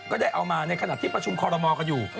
ก็ได้เอามาในขณะที่ประชุมคอรมอลกันอยู่